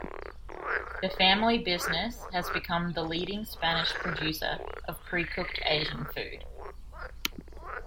The family business has become the leading Spanish producer of precooked Asian food.